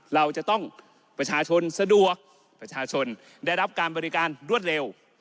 เราจะต้องประชาชนสะดวกประชาชนได้รับการบริการรวดเร็ว